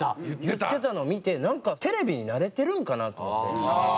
言ってたのを見てなんかテレビに慣れてるんかな？と思って。